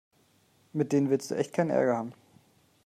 Mit denen willst du echt keinen Ärger haben.